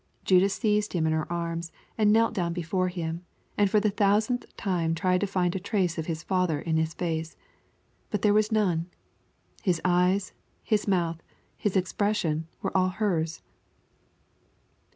Judith seized him in her arms, and knelt down before him, and for the thousandth time tried to find a trace of his father in his face. But there was none. His eyes, his mouth, his expression, were all hers.